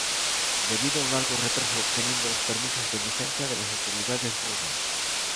Debido a un largo retraso obteniendo los permisos de licencia de las autoridades rusas.